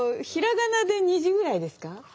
ひらがなで２字ぐらいですか。